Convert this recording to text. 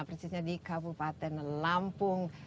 percisanya di kabupaten lampung